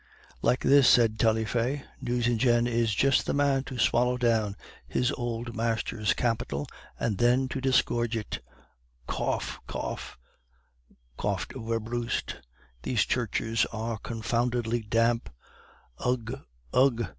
"'Like this,' said Taillefer; 'Nucingen is just the man to swallow down his old master's capital, and then to disgorge it.' "'Ugh! ugh!' coughed Werbrust, 'these churches are confoundedly damp; ugh! ugh!